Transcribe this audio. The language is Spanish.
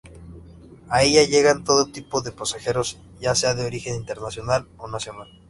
A ella llegan todo tipo de pasajeros ya sea de origen internacional o nacional.